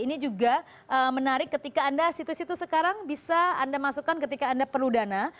ini juga menarik ketika anda situs situs sekarang bisa anda masukkan ketika anda perlu dana